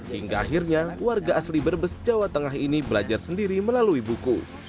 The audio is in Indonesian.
hingga akhirnya warga asli brebes jawa tengah ini belajar sendiri melalui buku